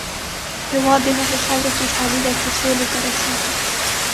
هېواد د هغې خاورې خوشحالي ده چې سولې ته رسېږي.